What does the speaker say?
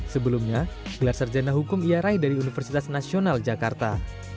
sebelumnya gelar sarjana hukum ia raih dari universitas nasional jakarta